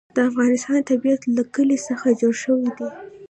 د افغانستان طبیعت له کلي څخه جوړ شوی دی.